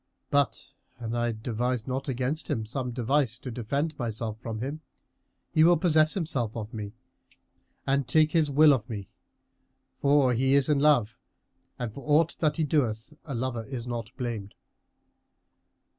But, an I devise not against him some device to defend myself from him, he will possess himself of me and take his will of me; for he is in love and for aught that he doeth a lover is not blamed."